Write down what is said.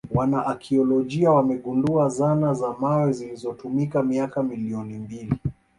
Wanaakiolojia wamegundua zana za mawe zilizotumika miaka milioni mbili